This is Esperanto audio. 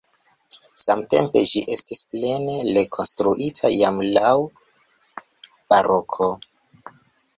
Samtempe ĝi estis plene rekonstruita jam laŭ baroko.